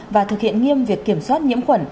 và thực hiện nghiêm việc kiểm soát nhiễm khuẩn